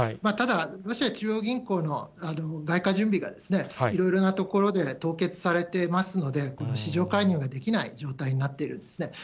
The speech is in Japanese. ただ、ロシア中央銀行の外貨準備が、いろいろなところで凍結されていますので、市場介入ができない状態になっているんですね。